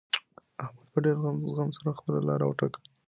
احمد په ډېر زغم سره خپله لاره وټاکله.